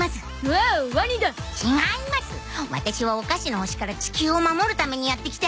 ワタシはお菓子の星から地球を守るためにやって来た